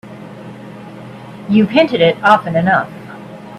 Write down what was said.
You've hinted it often enough.